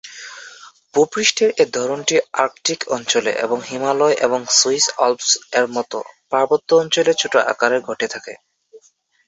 ভূ-পৃষ্ঠের এই ধরনটি আর্কটিক অঞ্চলে এবং হিমালয় এবং সুইস আল্পস এর মতো পার্বত্য অঞ্চলে ছোট আকারে ঘটে থাকে।